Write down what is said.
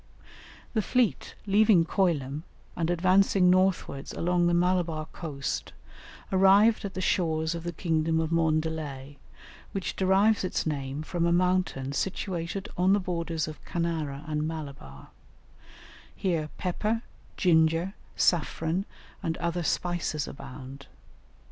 The fleet, leaving Coilum, and advancing northwards along the Malabar coast, arrived at the shores of the kingdom of Maundallay, which derives its name from a mountain situated on the borders of Kanara and Malabar; here pepper, ginger, saffron, and other spices abound.